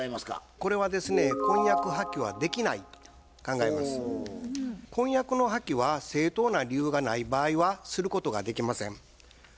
これはですね婚約の破棄は正当な理由がない場合はすることができません。